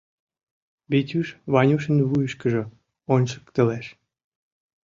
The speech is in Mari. — Витюш Ванюшын вуйышкыжо ончыктылеш.